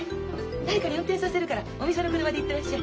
誰かに運転させるからお店の車で行ってらっしゃい。